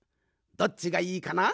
どっちがいいかな？